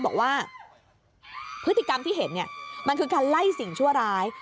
บอกว่าพฤติกรรมที่เห็นเนี่ยมันคือการไล่สิ่งชั่วร้าย